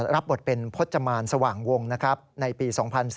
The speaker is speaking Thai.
รับบทเป็นพจมานสว่างวงในปี๒๔